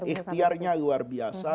ikhtiarnya luar biasa